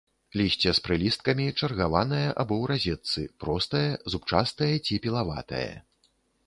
Лісце з прылісткамі, чаргаванае або ў разетцы, простае, зубчастае ці пілаватае.